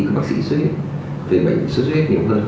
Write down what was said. các bác sĩ sốt huyết